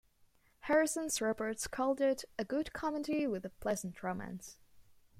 "Harrison's Reports" called it "A good comedy" with a "pleasant" romance.